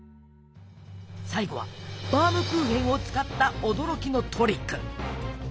最後はバームクーヘンを使った驚きのトリック！